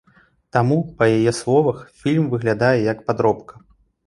Таму, па яе словах, фільм выглядае як падробка.